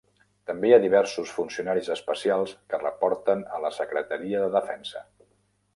També hi ha diversos funcionaris especials que reporten a la secretaria de defensa.